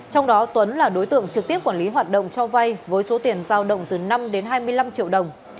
trong đó tuấn là đối tượng trực tiếp quản lý hoạt động cho vay với số tiền giao động từ năm đến hai mươi năm triệu đồng